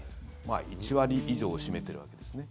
１割以上を占めてるわけですね。